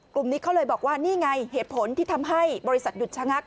กลุ่มนี้เขาเลยบอกว่านี่ไงเหตุผลที่ทำให้บริษัทหยุดชะงัก